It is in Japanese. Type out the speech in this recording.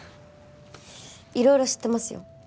色々知ってますよ